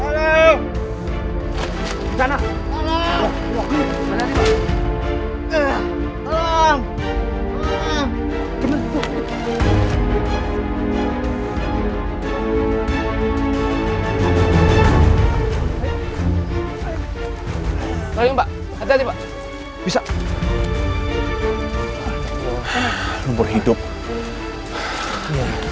tutup lplatz limitnya